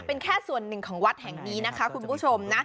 เป็นแค่ส่วนหนึ่งของวัดแห่งนี้นะคะคุณผู้ชมนะ